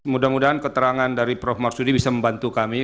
mudah mudahan keterangan dari prof marsudi bisa membantu kami